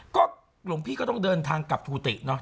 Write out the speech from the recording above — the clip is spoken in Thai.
ก็หลวงพี่ก็ต้องเดินทางกลับทูติเนอะ